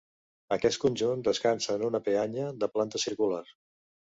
Aquest conjunt descansa en una peanya de planta circular.